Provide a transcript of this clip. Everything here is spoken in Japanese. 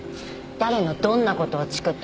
誰のどんなことをチクったの？